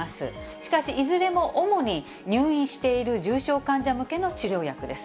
しかし、いずれも主に入院している重症患者向けの治療薬です。